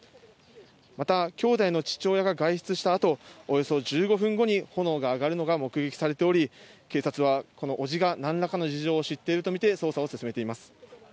また、兄弟の父親が外出した後、およそ１５分後に炎が上がるのが目撃されており、警察はこの伯父が何らかの事情を知っているとみて捜査を進めています。